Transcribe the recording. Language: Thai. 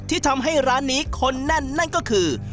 ที่ทำให้ร้านนี้คนแน่นนั่นก็คือ